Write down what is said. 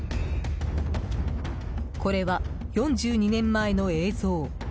これは４２年前の映像。